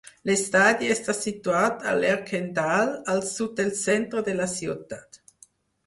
L'estadi està situat a Lerkendal, al sud del centre de la ciutat.